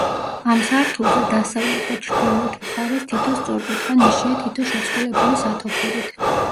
ამ სართულზე დასავლეთ და ჩრდილოეთ მხარეს თითო სწორკუთხა ნიშია თითო შეწყვილებული სათოფურით.